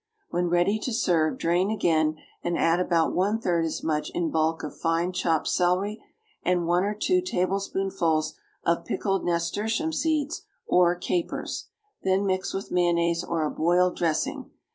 When ready to serve, drain again and add about one third as much in bulk of fine chopped celery and one or two tablespoonfuls of pickled nasturtium seeds or capers; then mix with mayonnaise or a boiled dressing.